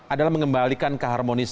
adalah mengembalikan keharmonisasi